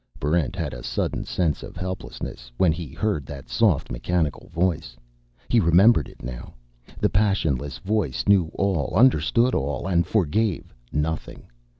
Barrent had a sudden sense of helplessness when he heard that soft mechanical voice. He remembered it now. The passionless voice knew all, understood all, and forgave nothing.